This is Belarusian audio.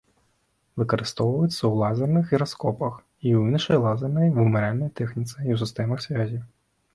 Выкарыстоўваецца ў лазерных гіраскопах і іншай лазернай вымяральнай тэхніцы і ў сістэмах сувязі.